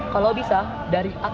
kalau bisa dari atas